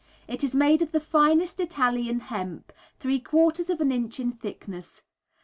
It is made of the finest Italian hemp, ¾ of an inch in thickness.